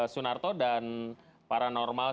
sunarto dan paranormal